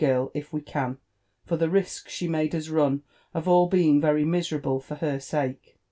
girl, if we can, for the risk she made us run of all being very miserable for her sake.